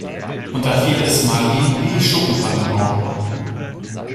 Und da fiel es Marleen wie Schuppen von den Augen.